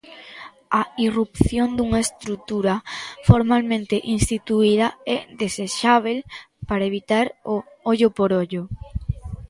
A irrupción dunha estrutura formalmente instituída é desexábel para evitar o "ollo por ollo".